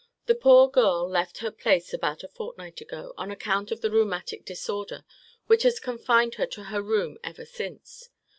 The poor girl left her place about a fortnight ago, on account of the rheumatic disorder, which has confined her to her room ever since.